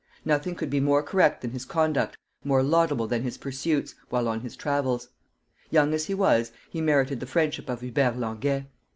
Nothing could be more correct than his conduct, more laudable than his pursuits, while on his travels; young as he was, he merited the friendship of Hubert Languet.